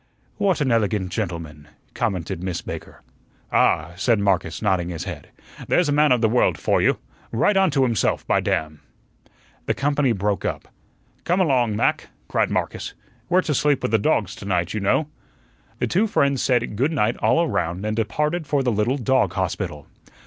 "What an elegant gentleman," commented Miss Baker. "Ah," said Marcus, nodding his head, "there's a man of the world for you. Right on to himself, by damn!" The company broke up. "Come along, Mac," cried Marcus; "we're to sleep with the dogs to night, you know." The two friends said "Good night" all around and departed for the little dog hospital.